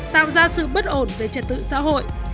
tạo ra sự bất ổn về trật tự xã hội